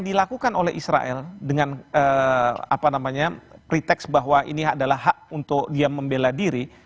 dengan apa namanya pretek bahwa ini adalah hak untuk dia membela diri